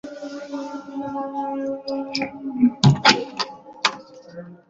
কিন্তু কোন ভাবেই জল ঢোকা বন্ধের ব্যাবস্থা হচ্ছিল না।